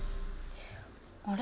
あれ？